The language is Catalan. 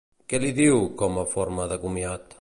Què li diu, com a forma de comiat?